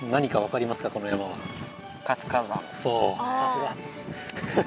さすが！